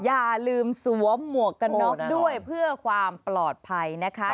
อย่าลืมสวมหมวกกันน็อกด้วยเพื่อความปลอดภัยนะคะ